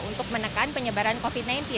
untuk menekan penyebaran covid sembilan belas